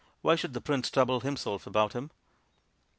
Why should the Prince trouble himself about him